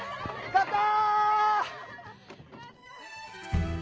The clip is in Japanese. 勝った！